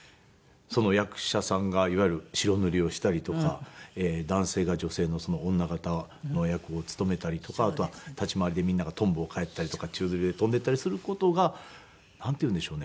役者さんがいわゆる白塗りをしたりとか男性が女性の女形の役を勤めたりとかあとは立廻りでみんながとんぼを返ったりとか宙づりで飛んでいったりする事がなんていうんでしょうね。